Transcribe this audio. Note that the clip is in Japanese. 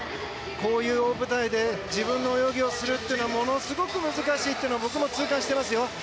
こういう大舞台で自分の泳ぎをするってことはものすごく難しいということを僕も痛感していますよ。